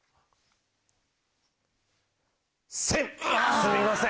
すみません。